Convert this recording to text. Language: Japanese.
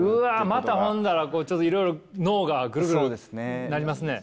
またほんだらちょっといろいろ脳がグルグルなりますね。